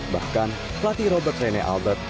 bahkan pelatih robert rene albert